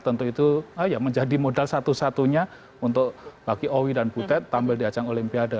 tentu itu menjadi modal satu satunya untuk bagi owi dan butet tampil di ajang olimpiade